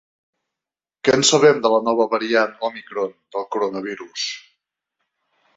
Què en sabem, de la nova variant òmicron del coronavirus?